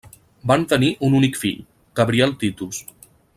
Van tenir un únic fill, Gabriel Titus.